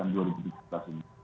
di tahun dua ribu tujuh belas